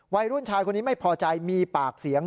วัยรุ่นชายคนนี้ไม่พอใจมีปากเสียง